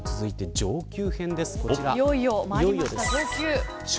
上級編です。